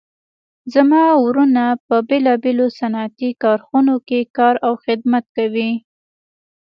زما وروڼه په بیلابیلو صنعتي کارخانو کې کار او خدمت کوي